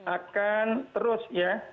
akan terus ya